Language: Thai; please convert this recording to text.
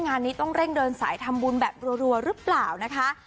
งานนี้ต้องเร่งเดินสายทำบุญแบบรัวหรือเปล่านะคะ